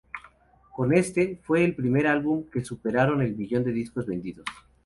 Con este, fue con el primer álbum que superaron el millón de discos vendidos.